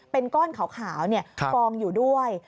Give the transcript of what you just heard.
เป็นก้อนขาวกองอยู่ด้วย